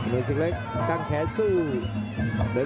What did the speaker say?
เหลกตั้งแขซื้อ